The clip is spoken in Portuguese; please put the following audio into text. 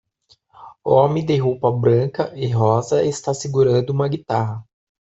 O homem de roupa branca e rosa está segurando uma guitarra.